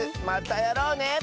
またやろうね！